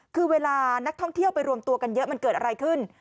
คือเวลานักท่องเที่ยวไปรวมตัวกันเยอะมันเกิดอะไรขึ้น